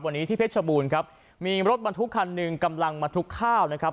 วันนี้ที่เพชรบูรณ์ครับมีรถบรรทุกคันหนึ่งกำลังมาทุกข้าวนะครับ